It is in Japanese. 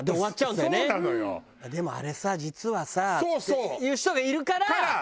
「でもあれさ実はさ」って言う人がいるから。